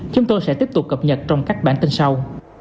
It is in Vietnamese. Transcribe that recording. chúng tôi sẽ tiếp tục cập nhật trong các bản tin sau